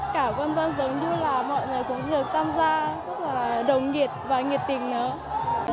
cả quân dân giống như là mọi người cũng được tham gia rất là đồng nghiệt và nghiệt tình nữa